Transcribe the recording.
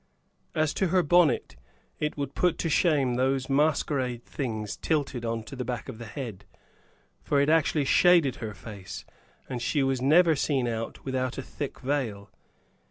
As to her bonnet, it would put to shame those masquerade things tilted on to the back of the head, for it actually shaded her face; and she was never seen out without a thick veil.